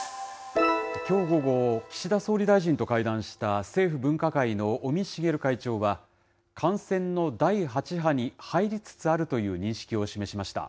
きょう午後、岸田総理大臣と会談した政府分科会の尾身茂会長は、感染の第８波に入りつつあるという認識を示しました。